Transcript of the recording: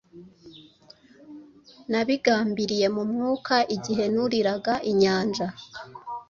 Nabigambiriye mu mwuka igihe nuriraga inyanja